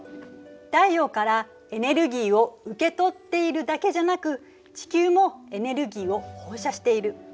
太陽からエネルギーを受け取っているだけじゃなく地球もエネルギーを放射している。